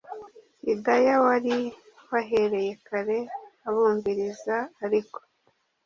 Hidaya wari wahereye kare abumviriza ariko